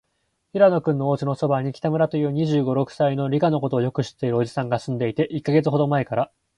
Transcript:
平野君のおうちのそばに、北村という、二十五、六歳の、理科のことをよく知っているおじさんがすんでいて、一月ほどまえから、